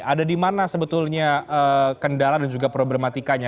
ada di mana sebetulnya kendala dan juga problematikanya